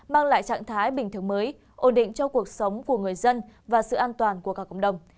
mang lại trạng thái bình thường mới ổn định cho cuộc sống của người dân và sự an toàn của cả cộng đồng